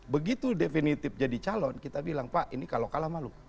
begitu definitif jadi calon kita bilang pak ini kalau kalah malu